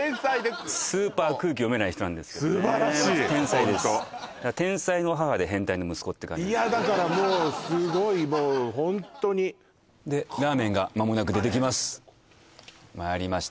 スーパー空気読めない人なんですけどね天才ですいやだからもうすごいもうホントにでラーメンが間もなく出てきますまいりました